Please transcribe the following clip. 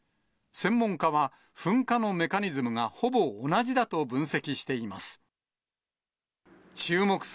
専門家は、噴火のメカニズムがほぼ同じだと分析しています。